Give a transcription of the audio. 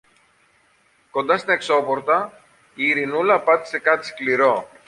Κοντά στην εξώπορτα η Ειρηνούλα πάτησε κάτι σκληρό.